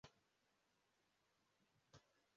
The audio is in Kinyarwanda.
yijimye azunguruka ibumba kumuziga mugihe umwana muto areba